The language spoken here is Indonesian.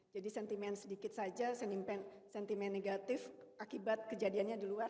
jadi sentimen sedikit saja sentimen negatif akibat kejadiannya di luar